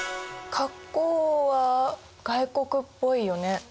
格好は外国っぽいよね？